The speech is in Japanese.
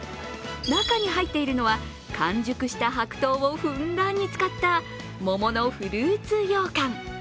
中に入っているのは完熟した白桃をふんだんに使った桃のフルーツ羊羹。